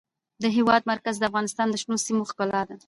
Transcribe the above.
د هېواد مرکز د افغانستان د شنو سیمو ښکلا ده.